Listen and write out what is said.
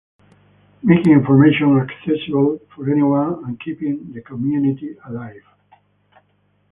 Making information accessible for anyone and keeping the community alive.